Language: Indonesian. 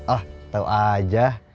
ah tau aja